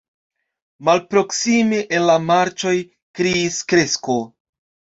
Malproksime en la marĉoj kriis krekso.